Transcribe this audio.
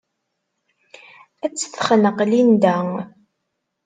Ad tt-texneq Linda.